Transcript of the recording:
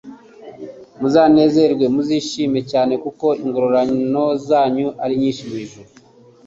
Muzanezerwe, muzishime cyane kuko ingororano zanyu ari nyinshi mu ijuru,